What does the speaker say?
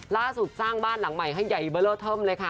ล่าสุดสร้างบ้านหลังใหม่ให้ใหญ่เบอร์เลอร์เทิมเลยค่ะ